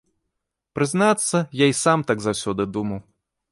Прызнацца, я і сам так заўсёды думаў.